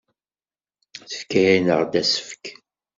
Tefka-aneɣ-d asefk.